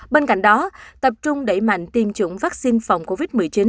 bên cạnh đó tập trung đẩy mạnh tiêm chủng vaccine phòng covid một mươi chín